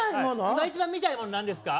今一番見たいもの何ですか？